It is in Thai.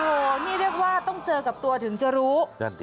โอ้โหนี่เรียกว่าต้องเจอกับตัวถึงจะรู้